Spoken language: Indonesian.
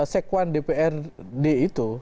sekwan dprd itu